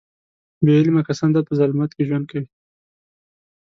بې علمه کسان تل په ظلمت کې ژوند کوي.